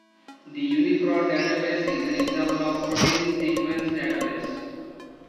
The UniProt database is an example of a protein sequence database.